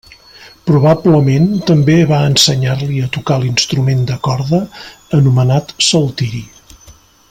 Probablement també va ensenyar-li a tocar l'instrument de corda anomenat saltiri.